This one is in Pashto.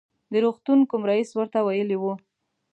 د روغتون کوم رئیس ورته ویلي و.